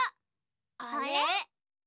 あれ？